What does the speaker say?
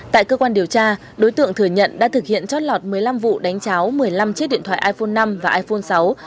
tại cơ quan điều tra đối tượng thừa nhận đã thực hiện chót lọt một mươi năm vụ đánh cháo một mươi năm chiếc điện thoại iphone năm và iphone sáu